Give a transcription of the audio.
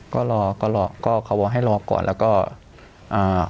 ก็รอก็รอก็เขาบอกให้รอก่อนแล้วก็อ่า